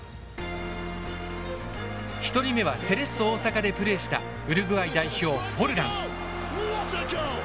１人目はセレッソ大阪でプレーしたウルグアイ代表フォルラン。